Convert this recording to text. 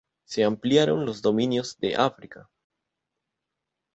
Se ampliaron los dominios en África.